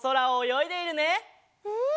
うん！